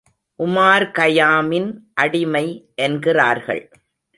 உமார்கயாமின் அடிமை என்கிறார்கள்.